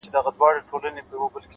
زما تصـور كي دي تصـوير ويده دی.!